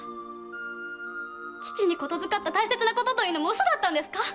父に言づかった大切なことというのも嘘だったんですか？